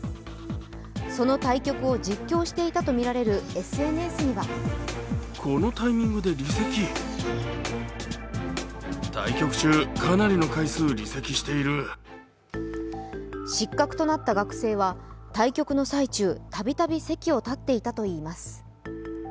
その対局を実況していたとみられるＳＮＳには失格となった学生は対局の最中、たびたび席を立っていたといいます。